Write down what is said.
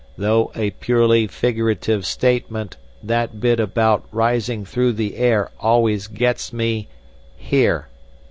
"Though a purely figurative statement, that bit about rising through the air always gets me here."